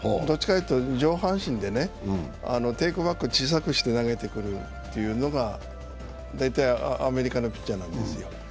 どちらかというと上半身でね、テークバック小さくして投げてくるというのが大体アメリカのピッチャーなんですよ。